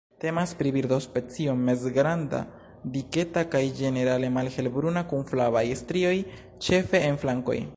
Temas pri birdospecio mezgranda, diketa kaj ĝenerale malhelbruna kun flavaj strioj ĉefe en flankoj.